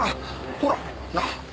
ほらなあ。